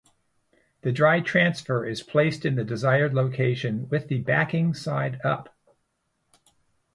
The dry transfer is placed in the desired location with the backing side up.